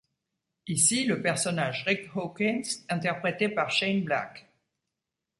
Ici le personnage Rick Hawkins interprété par Shane Black.